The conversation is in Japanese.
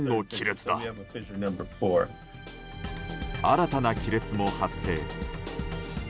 新たな亀裂も発生。